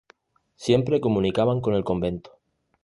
Siempre comunicaban con el convento.